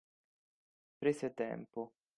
Prese tempo.